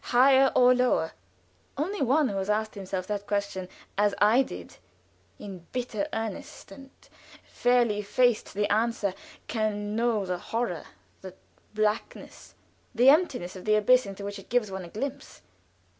higher or lower?" Only one who has asked himself that question, as I did, in bitter earnest, and fairly faced the answer, can know the horror, the blackness, the emptiness of the abyss into which it gives one a glimpse.